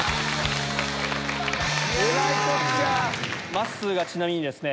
まっすーがちなみにですね。